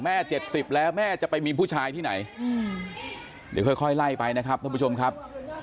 ๗๐แล้วแม่จะไปมีผู้ชายที่ไหนเดี๋ยวค่อยไล่ไปนะครับท่านผู้ชมครับ